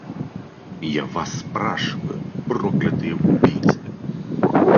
Я вас спрашиваю, проклятые убийцы!